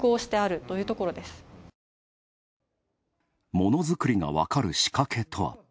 ものづくりがわかる仕掛けとは。